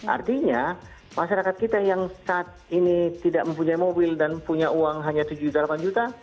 artinya masyarakat kita yang saat ini tidak mempunyai mobil dan punya uang hanya tujuh juta delapan juta